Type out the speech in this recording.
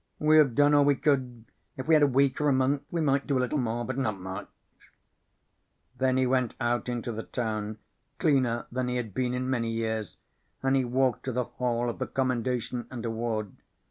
"We have done all we could do. If we had a week or a month, we might do a little more, but not much." Then he went out into the town, cleaner than he had been in many years, and he walked to the hall of the Commendation and Award.